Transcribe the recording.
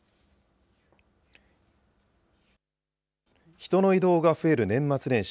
人の移動が増える年末年始。